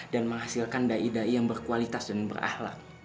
dan menghasilkan dai dai yang berkualitas dan berahlak